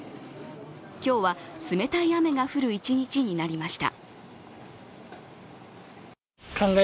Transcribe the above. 今日は冷たい雨が降る一日になりました。